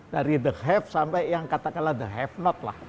dari the have sampai yang katakanlah the have not lah